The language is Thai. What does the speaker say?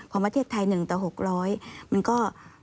ของประเทศไทย๑ต่อ๖๐๐มันก็